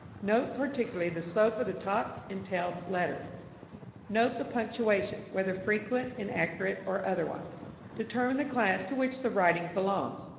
Note particularly the slope of the topped and tailed letters. Note the punctuation, whether frequent and accurate or otherwise. Determine the class to which the writing belongs.